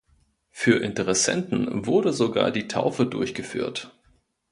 Für Interessenten wurde sogar die Taufe durchgeführt.